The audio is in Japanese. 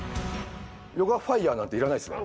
ヨガファイヤーなんていらないですね。